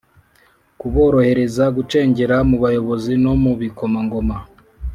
kuborohereza gucengera mu bayobozi no mu bikomangoma